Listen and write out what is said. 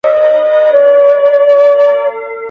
هم دنیا هم یې عقبی دواړه بادار وي !.